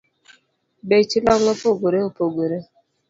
Bech long’ opogore opogore